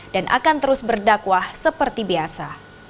dan akan terus berdakwah seperti biasa